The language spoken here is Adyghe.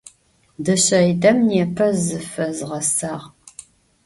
Dışseidem nêpe zıfezğesağ.